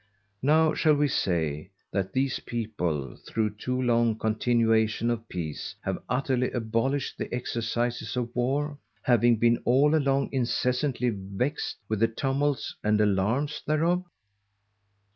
Now shall we say, that these People, through too long continuation of Peace, have utterly abolished the exercises of War, having been all along incessantly vexed with the Tumults and Alarms thereof?